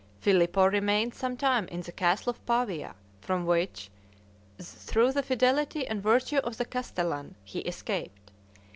Filippo remained some time in the castle of Pavia, from which, through the fidelity and virtue of the castellan, he escaped.